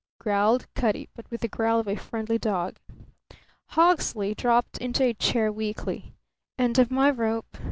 growled Cutty, but with the growl of a friendly dog. Hawksley dropped into a chair weakly. "End of my rope.